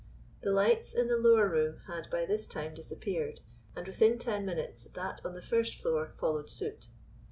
The lights in the lower room had by this time disappeared and within ten minutes that on the first floor followed suit.